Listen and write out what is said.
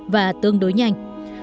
và tương đối nhanh